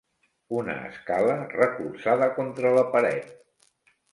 Una escala recolzada contra la paret.